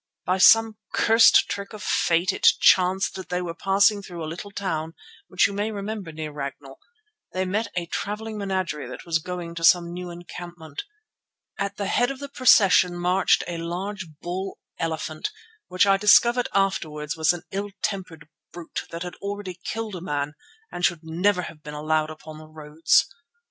"By some cursed trick of fate it chanced that when they were passing through the little town which you may remember near Ragnall, they met a travelling menagerie that was going to some new encampment. At the head of the procession marched a large bull elephant, which I discovered afterwards was an ill tempered brute that had already killed a man and should never have been allowed upon the roads.